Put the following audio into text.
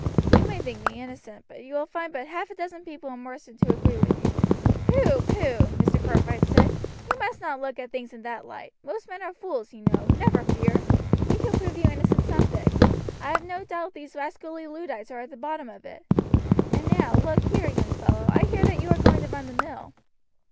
You may think me innocent, but you will find but half a dozen people in Marsden to agree with you." "Pooh! pooh!" Mr. Cartwright said. "You must not look at things in that light. Most men are fools, you know; never fear. We shall prove you innocent some day. I have no doubt these rascally Luddites are at the bottom of it. And now, look here, young fellow, I hear that you are going to run the mill.